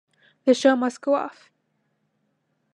The Show Must Go Off!